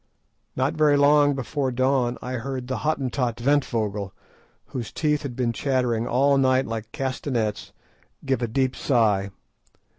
Not very long before dawn I heard the Hottentot Ventvögel, whose teeth had been chattering all night like castanets, give a deep sigh.